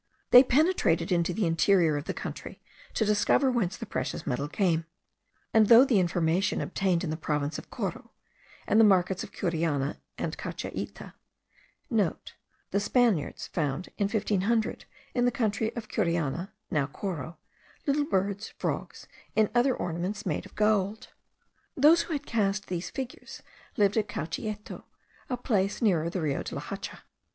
They penetrated into the interior of the country, to discover whence the precious metal came; and though the information obtained in the province of Coro, and the markets of Curiana and Cauchieto,* (* The Spaniards found, in 1500, in the country of Curiana (now Coro), little birds, frogs, and other ornaments made of gold. Those who had cast these figures lived at Cauchieto, a place nearer the Rio de la Hacha.